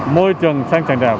môi trường xanh trành đẹp